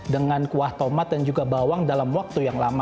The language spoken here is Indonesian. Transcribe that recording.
dengan kuah tomat dan juga bawang dalam waktu yang lama